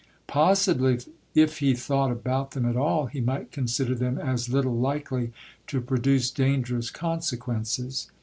Possibly, if he thought about them at all, he might consider them as little likely to produce dangerous consequences.